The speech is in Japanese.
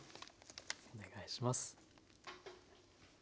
お願いします。